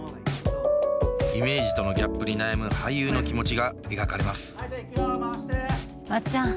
イメージとのギャップに悩む俳優の気持ちが描かれますまっちゃん。